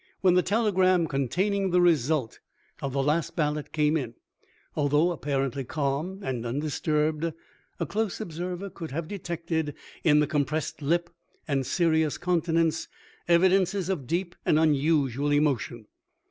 When the telegram containing the result of the last ballot came in, although appar ently calm and undisturbed, a close observer could have detected in the compressed lip and serious countenance evidences of deep and unusual emo tion.